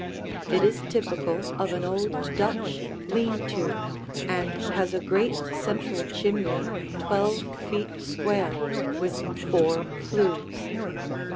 It is typical of an old Dutch lean to and has a great central chimney twelve feet square, with four flues.